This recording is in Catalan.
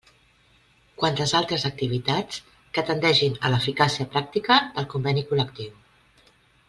Quantes altres activitats que tendeixin a l'eficàcia pràctica del Conveni col·lectiu.